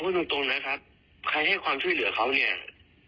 ตรงนะครับใครให้ความช่วยเหลือเขาเนี่ย